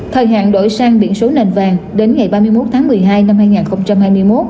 thời hạn đổi sang biển số nền vàng đến ngày ba mươi một tháng một mươi hai năm hai nghìn hai mươi một